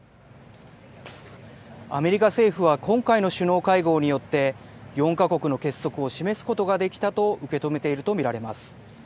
アメリカ政府は今回の首脳会合によって、４か国の結束を示すことができたと受け止めていると見られます。